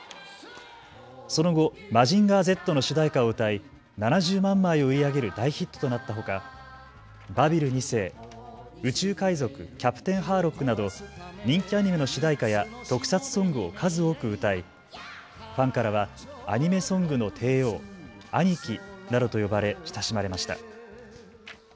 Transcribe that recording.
その後、マジンガーＺの主題歌を歌い７０万枚を売り上げる大ヒットとなったほかバビル２世、宇宙海賊キャプテンハーロックなど人気アニメの主題歌や特撮ソングを数多く歌いファンからはアニメソングの帝王、アニキなどと呼ばれ親しまれました。